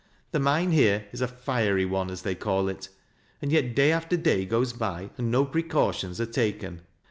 The mine here is a 'fiery' one, as they call it, and yet day after day goes by and no precautions are taken.